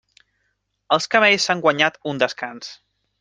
Els camells s'han guanyat un descans.